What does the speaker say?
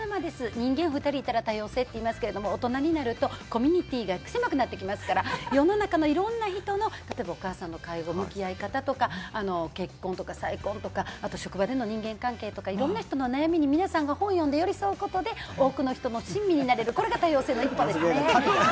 人間が２人いたら多様性と言いますけれども、大人になるとコミュニティーが狭くなってきますから、世の中のいろんな人のお母さんの介護の向き合い方とか、結婚、再婚、あと職場での人間関係とか、いろんな人の悩みに本を読んで寄り添うことで、多くの人の親身になれる、これが多様性の一歩です。